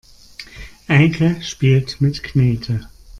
Eike spielt mit Knete.